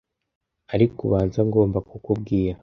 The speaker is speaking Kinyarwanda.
ariko ubanza ngomba kukubwira